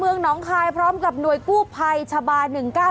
พ่อเมืองน้องคลายพร้อมกับหน่วยกู้ภัยชาบา๑๙๑